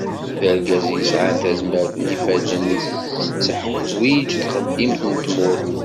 D argaz i yesεan tazmert n yifadden i tetteḥwiğ txeddimt n tmurt.